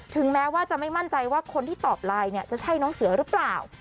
แม้ว่าจะไม่มั่นใจว่าคนที่ตอบไลน์เนี่ยจะใช่น้องเสือหรือเปล่า